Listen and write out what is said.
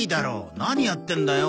何やってんだよ？